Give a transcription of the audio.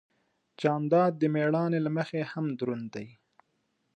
جانداد د مېړانې له مخې هم دروند دی.